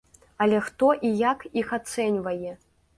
Але хто і як іх ацэньвае?